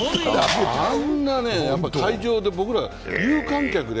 あんな会場で、有観客で。